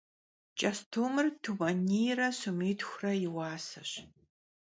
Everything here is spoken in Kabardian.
Ç'estumır tumeniyre somitxure yi vuaseş.